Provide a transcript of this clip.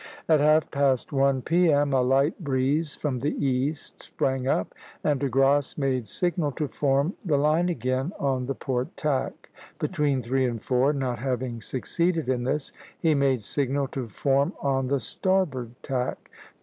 At half past one P.M. a light breeze from the east sprang up, and De Grasse made signal to form the line again on the port tack; between three and four, not having succeeded in this, he made signal to form on the starboard tack.